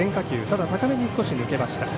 ただ、高めに少し抜けました。